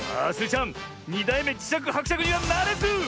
ちゃん２だいめじしゃくはくしゃくにはならず！